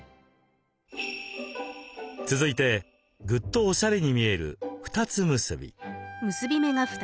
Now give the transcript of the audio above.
続いてグッとおしゃれに見える二つ結び。